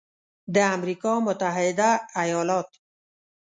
د امریکا متحده ایالات